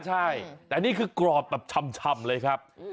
ใช่แต่นี่คือกรอบแบบชำเลยครับ